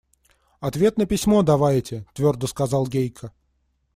– Ответ на письмо давайте, – твердо сказал Гейка.